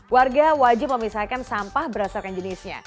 warga wajib memisahkan sampah berdasarkan jenisnya